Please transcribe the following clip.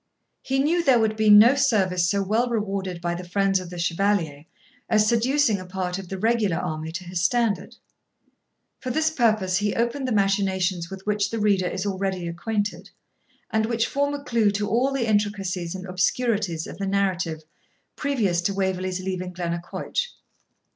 He knew there would be no service so well rewarded by the friends of the Chevalier as seducing a part of the regular army to his standard. For this purpose he opened the machinations with which the reader is already acquainted, and which form a clue to all the intricacies and obscurities of the narrative previous to Waverley's leaving Glennaquoich.